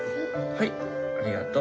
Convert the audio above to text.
はいありがと。